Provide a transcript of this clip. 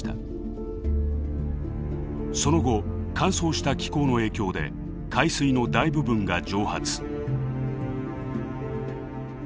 その後乾燥した気候の影響で海水の大部分が蒸発。